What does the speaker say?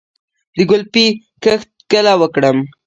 د ګلپي کښت کله وکړم؟